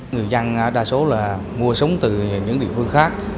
người dân đa số là mua sống từ những địa phương khác